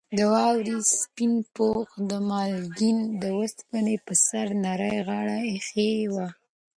د واورې سپین پوښ د بالکن د اوسپنې پر سر نرۍ غاړه ایښې وه.